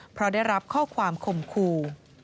เพราะได้รับข้อความข่มขู่